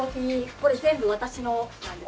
これ全部私のなんです。